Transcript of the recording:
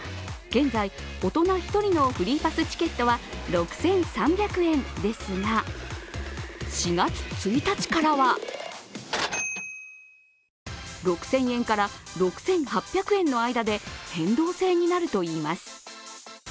現在、大人１人のフリーパスチケットは６３００円ですが４月１日からは６０００円から６８００円の間で変動制になるといいます。